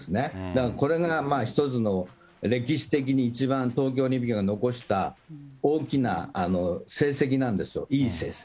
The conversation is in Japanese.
だからこれが１つの、歴史的に一番東京オリンピックが残した大きな成績なんですよ、いい成績。